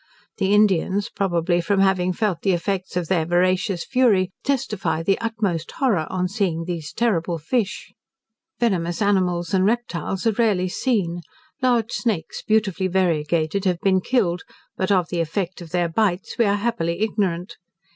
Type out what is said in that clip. The Indians, probably from having felt the effects of their voracious fury, testify the utmost horror on seeing these terrible fish. Venomous animals and reptiles are rarely seen. Large snakes beautifully variegated have been killed, but of the effect of their bites we are happily ignorant.